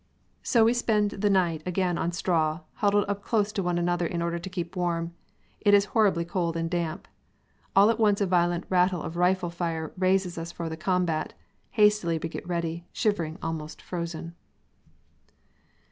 "So we spend the night again on straw, huddled up close one to another in order to keep warm. It is horribly cold and damp. All at once a violent rattle of rifle fire raises us for the combat; hastily we get ready, shivering, almost frozen."